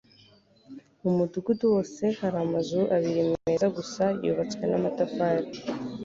mu mudugudu wose hari amazu abiri meza gusa yubatswe n'amatafari